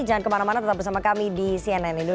jangan kemana mana tetap bersama kami di cnn indonesia